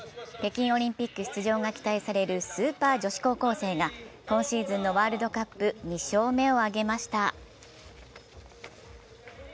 北京オリンピック出場が期待されるスーパー女子高校生が今シーズンのワールドカップ２勝目を挙げました。